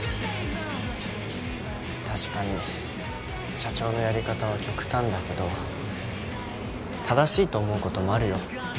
確かに社長のやり方は極端だけど正しいと思う事もあるよ。